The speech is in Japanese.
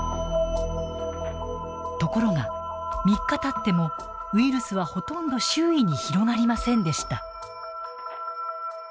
ところが３日たってもウイルスはほとんど周囲に広がりませんでした。